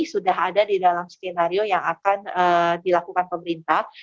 sudah ada di dalam skenario yang akan dilakukan pemerintah